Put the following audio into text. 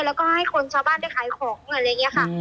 แล้วก็ให้คนชาวบ้านได้ขายของด้วยอะไรอย่างนี้ค่ะ